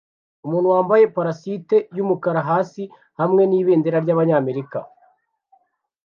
Umuntu wambaye parasite yumukara hasi hamwe nibendera ryabanyamerika